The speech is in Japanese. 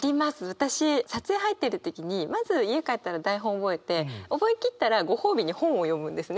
私撮影入ってる時にまず家帰ったら台本覚えて覚え切ったらご褒美に本を読むんですね。